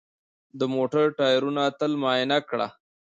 د موټر ټایرونه تل معاینه کړه.